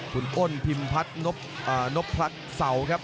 คุณอ้นพิมพัฒนบพลัดเสาครับ